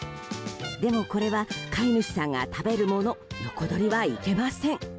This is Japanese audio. でもこれは飼い主さんが食べるもの横取りはいけません。